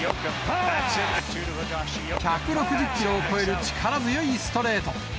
１６０キロを超える力強いストレート。